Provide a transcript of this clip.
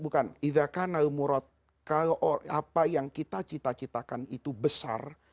bukan kalau apa yang kita cita citakan itu besar